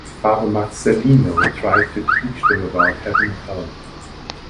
Father Marcellino tried to teach them about Heaven and Hell.